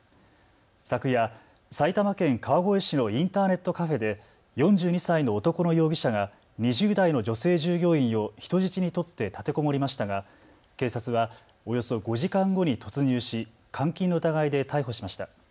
昨夜、埼玉県川越市のインターネットカフェで４２歳の男の容疑者が２０代の女性従業員を人質に取って立てこもりましたが警察はおよそ５時間後に突入し監禁の疑いで逮捕しました。